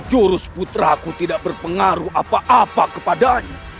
jurus putra ku tidak berpengaruh apa apa kepadanya